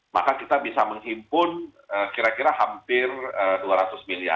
maka kita bisa menghimpun kira kira hampir dua ratus miliar